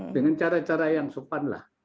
dengan cara cara yang sopan lah